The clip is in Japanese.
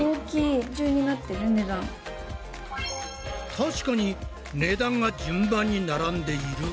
確かに値段が順番に並んでいる。